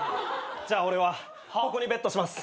じゃあ俺はここにベットします。